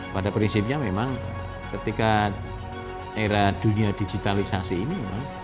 pada prinsipnya memang ketika era dunia digitalisasi ini memang